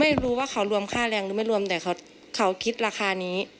ไม่รู้ว่าเขารวมค่าแรงหรือไม่รวมแต่เขาคิดราคานี้